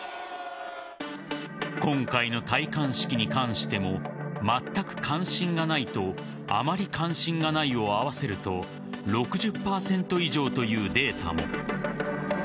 今回の戴冠式に関してもまったく関心がないとあまり関心がないを合わせると６０％以上というデータも。